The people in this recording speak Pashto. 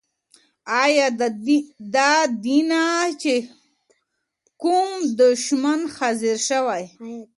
آيا ددينه چې کوم دشمن حاضر شوی؟